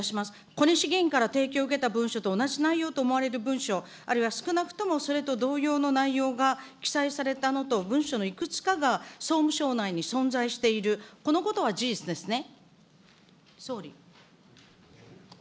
小西議員から提供を受けた文書と同じ内容と思われる文書、あるいは少なくともそれと同様の内容が記載されたのと文書のいくつかが総務省内に存在している、このことは事実ですね。